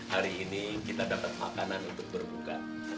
hari ini kita dapat makanan untuk berbuka